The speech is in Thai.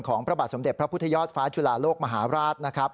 พระบาทสมเด็จพระพุทธยอดฟ้าจุฬาโลกมหาราชนะครับ